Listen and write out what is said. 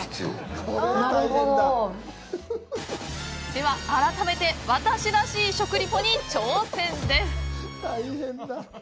では改めて、私らしい食リポに挑戦です！